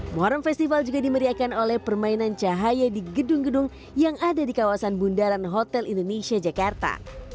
muharrem festival juga dimeriakan oleh permainan cahaya di gedung gedung yang ada di kawasan bundaran hotel indonesia jakarta